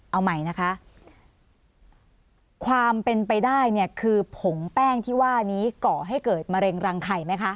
เอาใหม่นะคะความเป็นไปได้เนี่ยคือผงแป้งที่ว่านี้ก่อให้เกิดมะเร็งรังไข่ไหมคะ